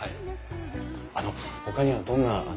あのほかにはどんな工夫を。